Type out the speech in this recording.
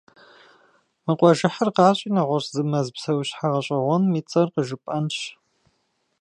Мы къуажэхьыр къащӀи нэгъуэщӀ зы мэз псэущхьэ гъэщӀэгъуэным и цӀэр къыжыпӀэнщ.